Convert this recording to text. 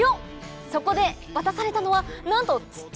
そこで渡されたのはなんと土！